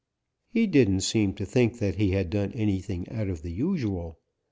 He didn't seem to think that he had done anything out of the usual.